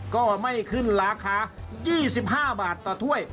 ก็ไม่ขึ้นราคา๒๕บาทต่อถ้วย